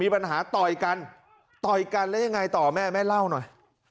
ปัญหาต่อยกันต่อยกันแล้วยังไงต่อแม่แม่เล่าหน่อย